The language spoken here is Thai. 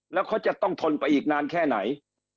แล้วเขาจะต้องทนไปอีกนานแค่ไหน